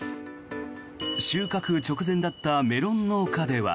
収穫直前だったメロン農家では。